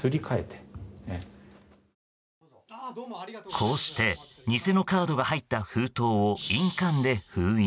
こうして偽のカードが入った封筒を印鑑で封印。